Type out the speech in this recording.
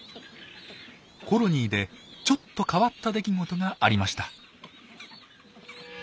コロニーでちょっと変わった出来事がありました。